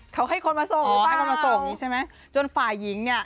เขาให้คนมาส่งอยู่ป่าวส่งใช่ไหมจนฝ่ายหญิงเนี่ย